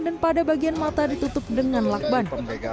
dan pada bagian mata ditutup dengan lakban